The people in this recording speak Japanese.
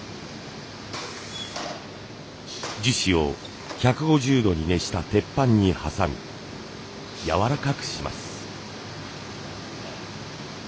樹脂を１５０度に熱した鉄板に挟みやわらかくします。